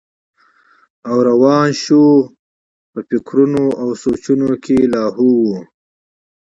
او روان شو پۀ فکرونو او سوچونو کښې لاهو وم